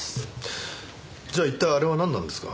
じゃあ一体あれはなんなんですか？